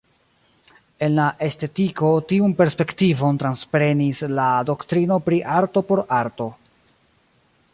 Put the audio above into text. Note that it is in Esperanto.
En la estetiko tiun perspektivon transprenis la doktrino pri "arto por arto".